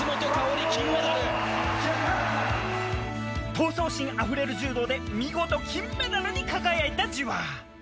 闘争心あふれる柔道で見事金メダルに輝いたじわ。